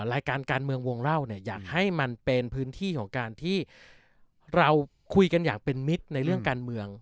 การเมืองวงเล่าเนี่ยอยากให้มันเป็นพื้นที่ของการที่เราคุยกันอย่างเป็นมิตรในเรื่องการเมือง